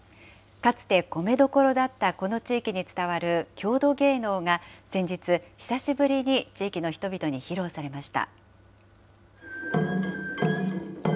かつて米どころだったこの地域に伝わる郷土芸能が先日、久しぶりに地域の人々に披露されました。